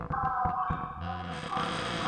د کفن و د کافور وږمه خوره ده